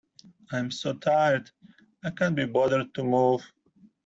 I'm so tired, I can't be bothered to move.